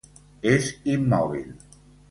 És immòbil.